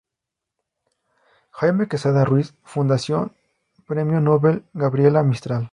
Jaime Quezada Ruiz, Fundación Premio Nobel Gabriela Mistral.